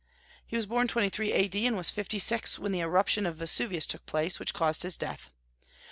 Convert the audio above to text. He was born 23 A.D., and was fifty six when the eruption of Vesuvius took place, which caused his death.